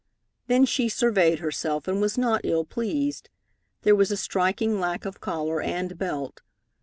Then she surveyed herself, and was not ill pleased. There was a striking lack of collar and belt.